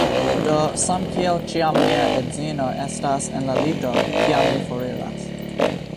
Do, samkiel ĉiam mia edzino estas en la lito, kiam mi foriras